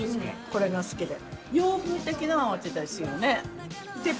これが好きで。